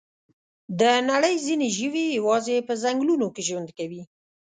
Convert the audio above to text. د نړۍ ځینې ژوي یوازې په ځنګلونو کې ژوند کوي.